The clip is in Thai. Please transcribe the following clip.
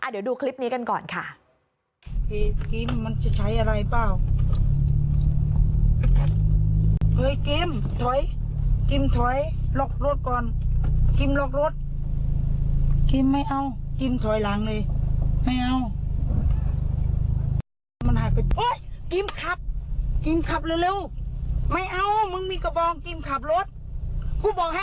เดี๋ยวดูคลิปนี้กันก่อนค่ะ